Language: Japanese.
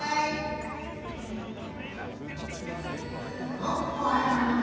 ６こあるものか。